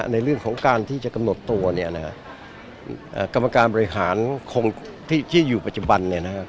ในเรื่องของการที่จะกำหนดตัวเนี่ยนะฮะอ่ากรรมการบริหารคงที่ที่อยู่ปัจจุบันเนี่ยนะฮะ